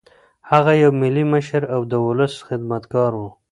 هغه یو ملي مشر او د ولس خدمتګار و.